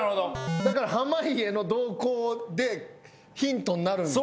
だから濱家の動向でヒントになるんです。